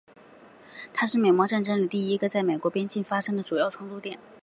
它是美墨战争里第一个在美国边境发生的主要冲突点。